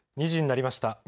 ２時になりました。